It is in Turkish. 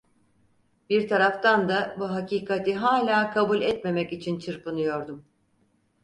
Bir taraftan da bu hakikati hâlâ kabul etmemek için çırpınıyordum.